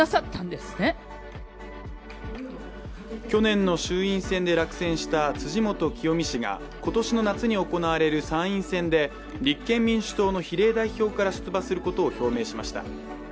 去年の衆院選で落選した辻元清美氏が今年の夏に行われる参院選で立憲民主党の比例代表から出馬することを表明しました。